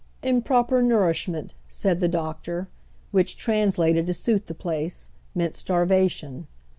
" Improper nour ishment," said the doctor, which, translated to suit the place, meant starvation.